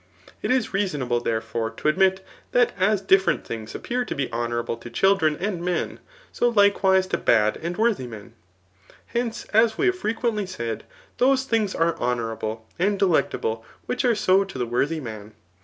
It is reasonable, therefore, tp admit, that as dif lierent things appear to be honouiable to children and men, so likewise to bad and worthy men. Hence, as we have frequently said, those things are honourable and de lectable, which are so to the worthy man.